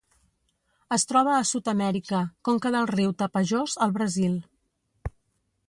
Es troba a Sud-amèrica: conca del riu Tapajós al Brasil.